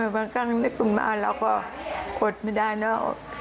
บางครั้งนึกถึงมาแล้วก็อดไม่ได้นะครับ